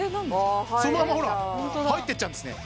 そのままほら入ってっちゃうんですね